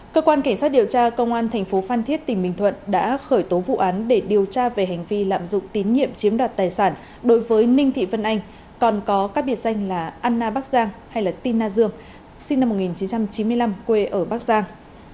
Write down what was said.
cơ quan cảnh sát điều tra công an thành phố phan thiết tỉnh bình thuận đã khởi tố vụ án để điều tra về hành vi lạm dụng tín nhiệm chiếm đoạt tài sản đối với ninh thị vân anh còn có các biệt danh là anna bắc giang hay tin na dương sinh năm một nghìn chín trăm chín mươi năm quê ở bắc giang